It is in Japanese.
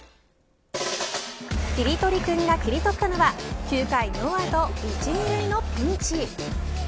キリトリくんが切り取ったのは９回ノーアウト１、２塁のピンチ。